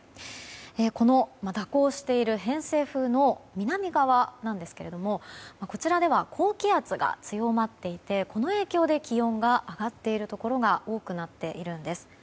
この蛇行している偏西風の南側ですがこちらでは高気圧が強まっていてこの影響で気温が上がっているところが多くなっているんです。